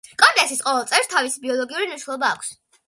კომპლექსის ყოველ წევრს თავისი ბიოლოგიური მნიშვნელობა აქვს.